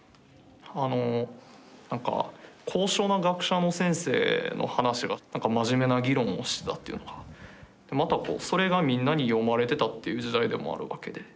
あのなんか高尚な学者の先生の話がなんか真面目な議論をしてたというのがまたそれがみんなに読まれてたっていう時代でもあるわけで。